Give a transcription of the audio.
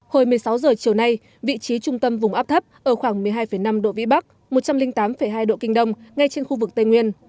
hồi một mươi sáu h chiều nay vị trí trung tâm vùng áp thấp ở khoảng một mươi hai năm độ vĩ bắc một trăm linh tám hai độ kinh đông ngay trên khu vực tây nguyên